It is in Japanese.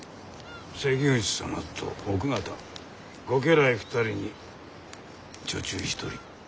関口様と奥方ご家来２人に女中１人。